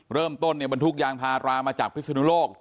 เริ่มต้นบรรทุกยางพารามาจากพิศนุโลก